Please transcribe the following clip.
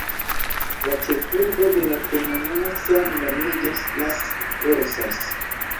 La ĉefurbo de la komunumo same nomiĝas Las Rosas.